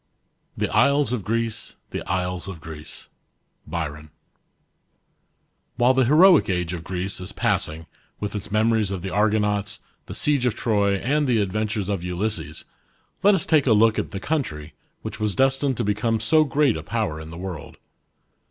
" The isles of Greece, the isles of Greece." BYRON. WHILE the heroic age of Greece is passing with its memories of the Argonauts, the siege of Trc/, and the adventures of Ulysses, let us take a look at the country, which was destined to become so great a power in the world.